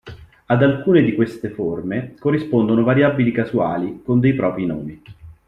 Ad alcune di queste forme corrispondono variabili casuali con dei propri nomi.